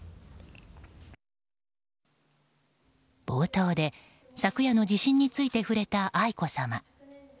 冒頭で昨夜の地震について触れた、愛子さま。